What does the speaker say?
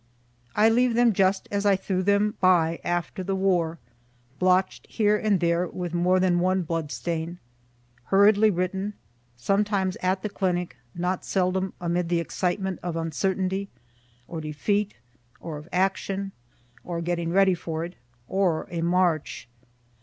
I leave them just as I threw them by after the war, blotch'd here and there with more than one blood stain, hurriedly written, sometimes at the clinique, not seldom amid the excitement of uncertainty, or defeat, or of action, or getting ready for it, or a march.